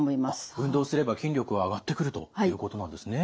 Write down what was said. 運動すれば筋力は上がってくるということなんですね。